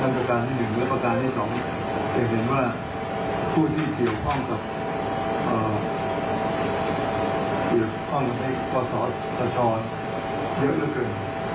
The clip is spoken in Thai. รับประการที่หนึ่งรับประการที่สองจะเห็นว่าพวกนี้เกี่ยวข้องกับข้อสอดพระชรเยอะเกิน